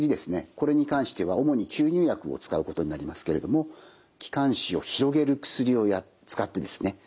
これに関しては主に吸入薬を使うことになりますけれども気管支を広げる薬を使ってですね